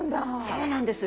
そうなんです。